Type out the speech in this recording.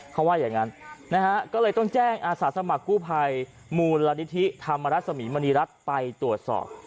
เขาว่าอย่างนั้นนะฮะก็เลยต้องแจ้งอาสาสมัครกู้ภัยมูลนิธิธรรมรสมีมณีรัฐไปตรวจสอบ